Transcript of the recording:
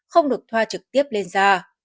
không được thoa trực tiếp lên da